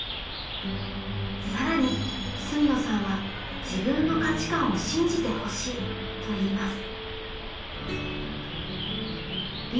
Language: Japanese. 更に住野さんは「自分の価値観を信じてほしい」と言います。